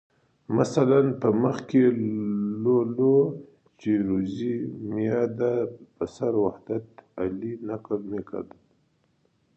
مثلاً په مخ کې لولو چې روزي میاداد پسر وحدت علي نقل میکرد.